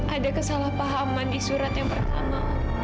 ada kesalahpahaman di surat yang pertama